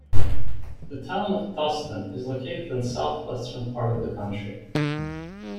The Town of Tusten is located in southwestern part of the county.